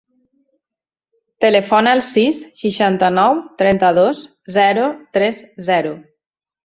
Telefona al sis, seixanta-nou, trenta-dos, zero, tres, zero.